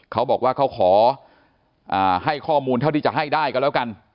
เขาบอกว่าเขาขอให้ข้อมูลเท่าที่จะให้ได้ก็แล้วกัน